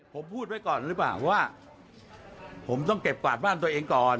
ผมพูดไว้ก่อนหรือเปล่าว่าผมต้องเก็บกวาดบ้านตัวเองก่อน